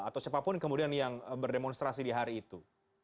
atau siapapun kemudian yang berdemonstrasi di hari itu